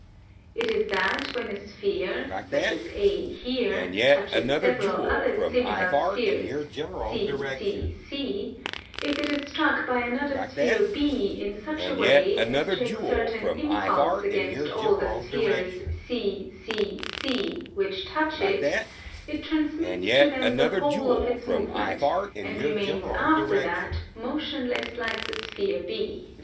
It is that when a sphere, such as A here, touches several other similar spheres CCC, if it is struck by another sphere B in such a way as to exert an impulse against all the spheres CCC which touch it, it transmits to them the whole of its movement, and remains after that motionless like the sphere B.